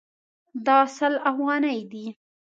دا سل افغانۍ دي